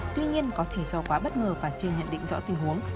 tuy nhiên có thể do quá bất ngờ và chưa nhận định rõ tình huống